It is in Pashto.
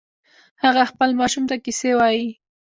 هغه خپل ماشوم ته کیسې وایې